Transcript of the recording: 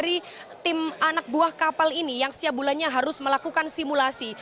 dari tim anak buah kapal ini yang setiap bulannya harus melakukan simulasi